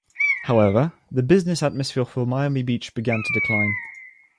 However, the business atmosphere for Miami Beach began to decline.